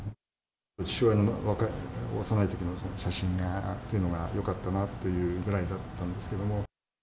父親の幼いときの写真というのがあって、よかったなというぐらいだったんですけれども。